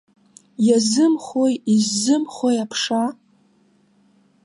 Иазымхои, иззымхои аԥша?